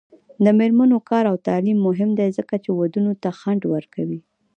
د میرمنو کار او تعلیم مهم دی ځکه چې ودونو ته ځنډ ورکوي.